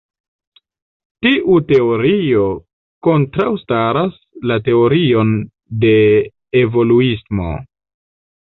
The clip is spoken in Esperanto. Tiu teorio kontraŭstaras la teorion de evoluismo.